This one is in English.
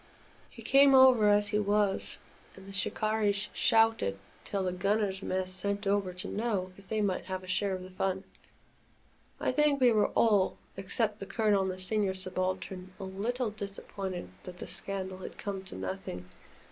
He came over as he was, and the "Shikarris" shouted till the Gunners' Mess sent over to know if they might have a share of the fun. I think we were all, except the Colonel and the Senior Subaltern, a little disappointed that the scandal had come to nothing.